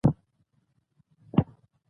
نوموړي په هوټل جوړ کړ.